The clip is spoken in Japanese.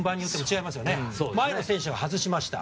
例えば前の選手が外しました。